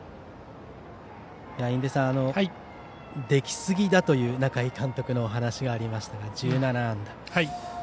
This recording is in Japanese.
印出さん、できすぎだという中井監督の話がありましたが１７安打。